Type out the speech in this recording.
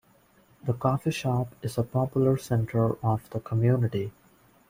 The Coffee Shop is a popular centre of the community.